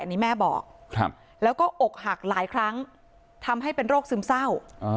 อันนี้แม่บอกแล้วก็อกหักหลายครั้งทำให้เป็นโรคซึมเศร้า